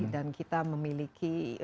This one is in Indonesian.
dan kita memiliki